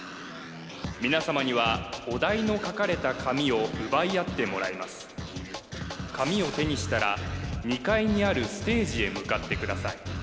皆様にはお題の書かれた紙を奪い合ってもらいます紙を手にしたら２階にあるステージへ向かってください